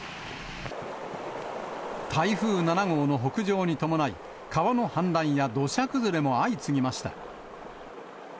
台風７号の北上に伴い、川の氾濫や土砂崩れも相次ぎました。